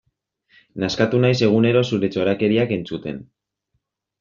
Nazkatu naiz egunero zure txorakeriak entzuten.